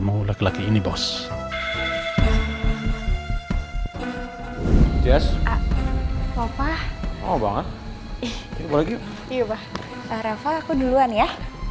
ketemu laki laki ini bos yes apa oh banget lagi iya rafa aku duluan ya